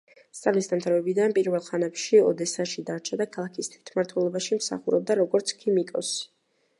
სწავლის დამთავრებიდან პირველ ხანებში ოდესაში დარჩა და ქალაქის თვითმმართველობაში მსახურობდა, როგორც ქიმიკოსი.